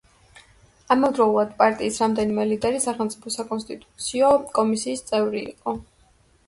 ამავდროულად პარტიის რამდენიმე ლიდერი სახელმწიფო საკონსტიტუციო კომისიის წევრი იყო.